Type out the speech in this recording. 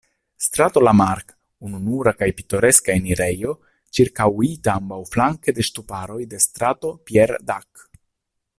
Strato Lamarck, ununura kaj pitoreska enirejo, ĉirkaŭita ambaŭflanke de ŝtuparoj de Strato Pierre-Dac.